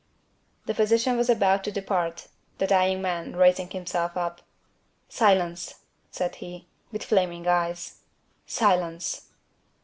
The physician was about to depart; the dying man, raising himself up: "Silence!" said he, with flaming eyes, "silence!"